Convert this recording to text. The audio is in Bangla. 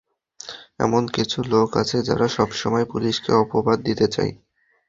এমন কিছু লোক আছে যারা সবসময় পুলিশকে অপবাদ দিতে চায়।